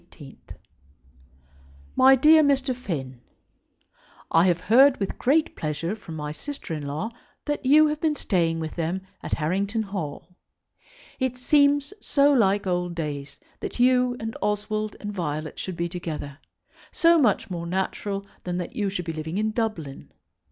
MY DEAR MR. FINN, I have heard with great pleasure from my sister in law that you have been staying with them at Harrington Hall. It seems so like old days that you and Oswald and Violet should be together, so much more natural than that you should be living in Dublin.